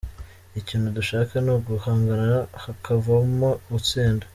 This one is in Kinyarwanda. Ikintu dushaka ni uguhangana hakavamo utsinda.